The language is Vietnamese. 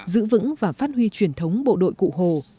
giữ vững và phát huy truyền thống bộ đội cụ hồ